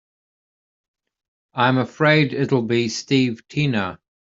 I'm afraid it'll be Steve Tina.